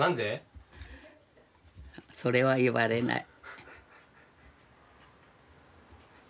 それは言われない。